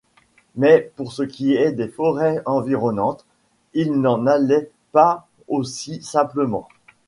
Mais pour ce qui est des forêts environnantes, il n'en allait pas aussi simplement.